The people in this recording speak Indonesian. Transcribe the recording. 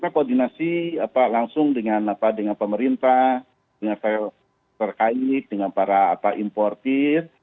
kita koordinasi langsung dengan pemerintah dengan terkait dengan para importer